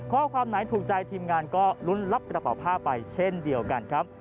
ข้อความไหนถูกใจทีมงานก็ลุ้นรับกระเป๋าผ้าไปเช่นเดียวกันครับ